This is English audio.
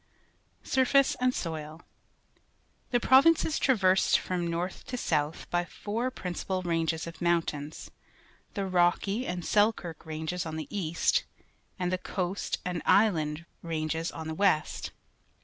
Surface and Soil. — The province is trav ersed from north to south by four principal ranges of mountains — the Rocky an d^ elkirk^ R anges on the east, and the Coast and Islan d^ Rang es on the west.